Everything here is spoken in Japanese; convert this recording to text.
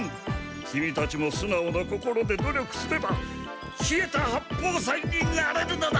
キミたちもすなおな心で努力すれば稗田八方斎になれるのだ！